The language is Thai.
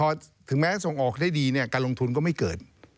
พอถึงแม้ส่งออกได้ดีเนี่ยการลงทุนก็ไม่เกิด